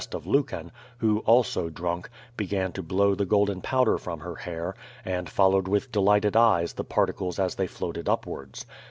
t of Lucan, who also drunk, began to blow the golden powder from her hair, and followed with delighted eyes the particles as they floated upwards.